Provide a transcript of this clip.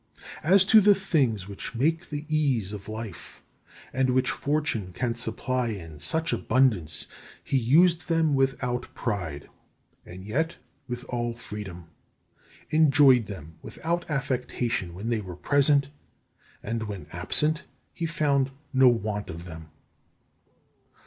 As to the things which make the ease of life, and which fortune can supply in such abundance, he used them without pride, and yet with all freedom: enjoyed them without affectation when they were present, and when absent he found no want of them.